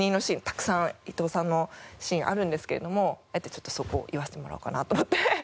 たくさん伊藤さんのシーンあるんですけれどもあえてちょっとそこを言わせてもらおうかなと思って。